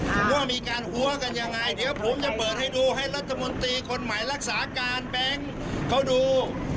ว่ามีการหัวกันยังไงเดี๋ยวผมจะเปิดให้ดูให้รัฐมนตรีคนใหม่รักษาการแบงค์เขาดู